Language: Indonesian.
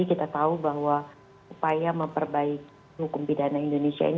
kita tahu bahwa upaya memperbaiki hukum pidana indonesia ini